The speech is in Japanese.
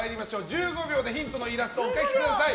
１５秒でヒントのイラストお描きください。